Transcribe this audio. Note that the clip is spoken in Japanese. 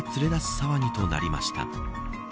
騒ぎとなりました。